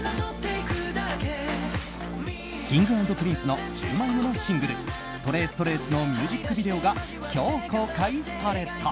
Ｋｉｎｇ＆Ｐｒｉｎｃｅの１０枚目のシングル「ＴｒａｃｅＴｒａｃｅ」のミュージックビデオが今日、公開された。